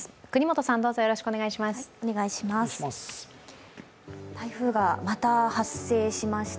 國本さん、どうぞよろしくお願いします。